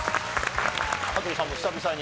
羽鳥さんも久々に。